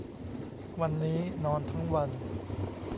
วันนี้นอนทั้งวัน